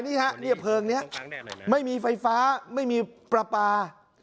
นี่ฮะเนี่ยเพลิงนี้ไม่มีไฟฟ้าไม่มีปลาปลา